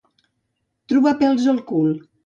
Trobar pèls al cul.